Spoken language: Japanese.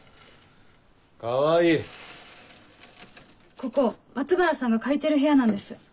ここ松原さんが借りてる部屋なんです。